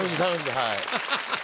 はい。